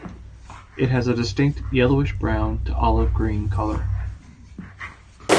It has a distinct yellowish-brown to olive-green colour.